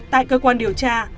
tại cơ quan điều tra